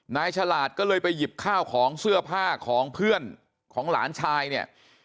ฉลาดก็เลยไปหยิบข้าวของเสื้อผ้าของเพื่อนของหลานชายเนี่ย